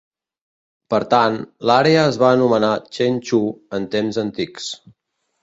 Per tant, l'àrea es va anomenar "Chen Chu" en temps antics.